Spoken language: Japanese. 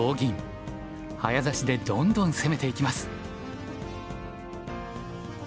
早指しでどんどん攻めていきます。